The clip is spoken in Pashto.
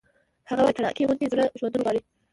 هغه وایی د تڼاکې غوندې زړه ژوندون غواړي